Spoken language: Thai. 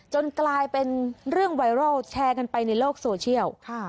กลายเป็นเรื่องไวรัลแชร์กันไปในโลกโซเชียล